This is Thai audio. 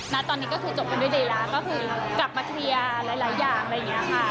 นัทตอนนี้ก็คือจบเป็นวิทยาลัยก็คือกลับมาทีพยาห์หลายอย่างอะไรอย่างค่ะ